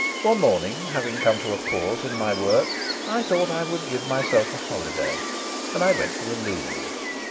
One morning, having come to a pause in my work, I thought I would give myself a holiday, and I went to the Louvre.